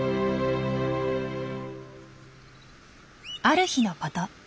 ある日のこと。